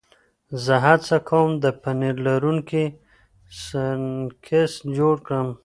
زه هڅه کوم د پنیر لرونکي سنکس جوړ کړم.